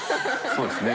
そうですね。